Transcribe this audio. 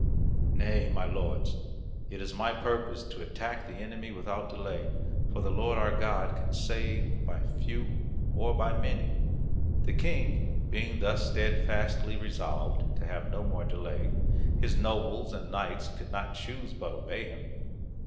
Nay, my lords, it is my purpose to attack the enemy without delay, for the Lord our God can save by few or by many." The King being thus steadfastly resolved to have no more delay, his nobles and knights could not choose but obey him.